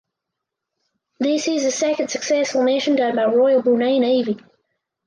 This is the second successful mission done by Royal Brunei Navy.